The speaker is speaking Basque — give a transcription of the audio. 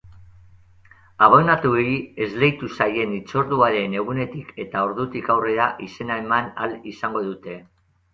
Abonatuei esleitu zaien hitzorduaren egunetik eta ordutik aurrera izena eman ahal izango dute.